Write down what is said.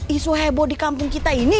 isu heboh di kampung kita ini